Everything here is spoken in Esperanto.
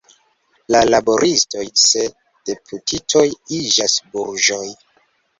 La laboristoj se deputitoj iĝas burĝoj.